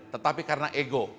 tetapi karena ego